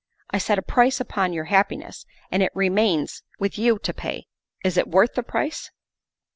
I set a price upon your happiness, and it remains with you to pay. Is it worth the price